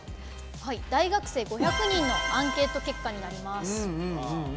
大学生５００人のアンケート結果になります。